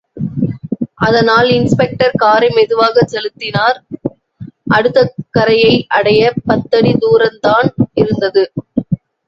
அதனால் இன்ஸ்பெக்டர் காரை மெதுவாகச் செலுத்தினார் அடுத்த கரையை அடையப் பத்தடி தூரத்தான் இருந்தது.